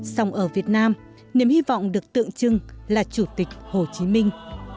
song ở việt nam niềm hy vọng được tượng trưng là chủ tịch hồ chí minh